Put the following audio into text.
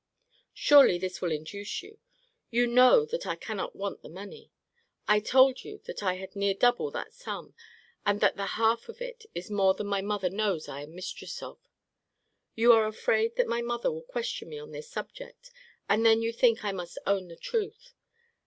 Surely this will induce you! You know that I cannot want the money. I told you that I had near double that sum, and that the half of it is more than my mother knows I am mistress of. You are afraid that my mother will question me on this subject; and then you think I must own the truth.